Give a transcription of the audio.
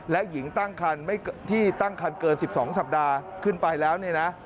และหญิงตั้งครรภ์ที่ตั้งครรภ์เกิน๑๒สัปดาห์ขึ้นไปแล้ว